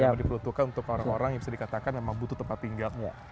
memang diperuntukkan untuk orang orang yang bisa dikatakan memang butuh tempat tinggal